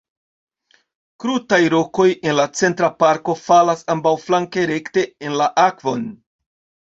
Krutaj rokoj en la centra parto falas ambaŭflanke rekte en la akvon.